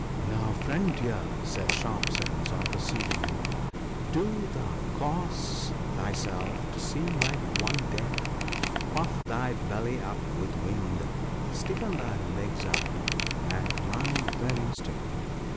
Now, friend Deer," said Sharp sense on perceiving him, " do thou cause thyself to seem like one dead : puff thy belly up with wind, stiffen thy legs out, and lie very still.